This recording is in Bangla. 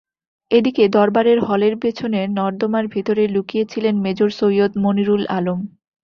এদিকে দরবার হলের পেছনে নর্দমার ভেতর লুকিয়ে ছিলেন মেজর সৈয়দ মনিরুল আলম।